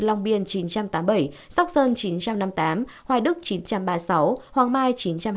long biên chín trăm tám mươi bảy sóc sơn chín trăm năm mươi tám hoài đức chín trăm ba mươi sáu hoàng mai chín trăm hai mươi